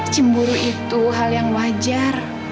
cemburu itu hal yang wajar